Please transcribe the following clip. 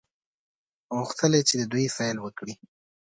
غوښتل یې چې د دوی سیل وکړي.